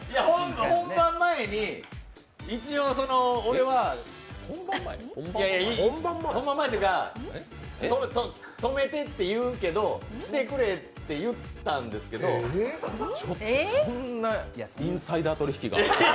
本番前に、一応俺は本番前というか、止めてって言うけどきてくれって言ったんですけどちょっとそんなインサイダー取引が！